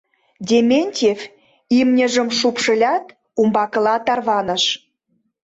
Дементьев имньыжым шупшылят, умбакыла тарваныш.